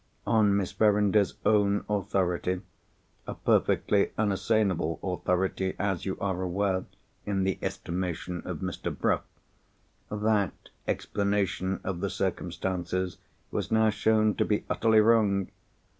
On Miss Verinder's own authority—a perfectly unassailable authority, as you are aware, in the estimation of Mr. Bruff—that explanation of the circumstances was now shown to be utterly wrong.